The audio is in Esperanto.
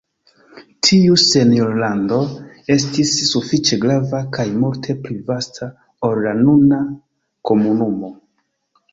Tiu senjorlando estis sufiĉe grava kaj multe pli vasta ol la nuna komunumo.